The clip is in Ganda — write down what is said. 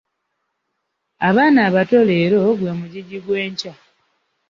Abaana abato leero gwe mugigi gw'enkya.